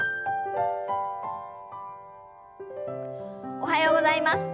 おはようございます。